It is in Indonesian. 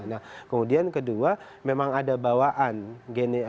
nah kemudian kedua memang ada bawaan gini